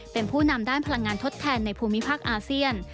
เป็นผู้นำด้านพลังงานทดแทนในภูมิภาคอาเซียน